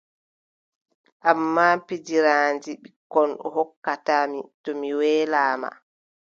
Ammaa pijiraandi ɓikkon o hokkata mi to mi weelaama.